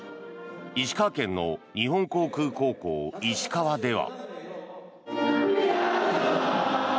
石川県の日本航空高校石川では。